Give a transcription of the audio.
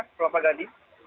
di pulau pak gading